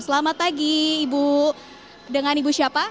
selamat pagi ibu dengan ibu siapa